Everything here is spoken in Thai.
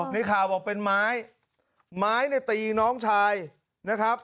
ในข่าวบอกเป็นไม้ไม้เนี่ยตีน้องชายนะครับ